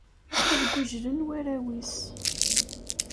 Ad ggujlen warraw-is.